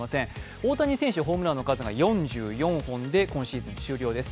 大谷選手、ホームランの数が４４本で今シーズン終了です。